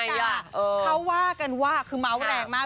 เออค่ะเขาว่ากันว่าคือเหมือนเมาท์แรงมาก